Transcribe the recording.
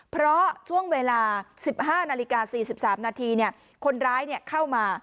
เพราะช่วงเวลาสิบห้านาฬิกาสี่สิบสามนาทีเนี่ยคนร้ายเนี่ยเข้ามา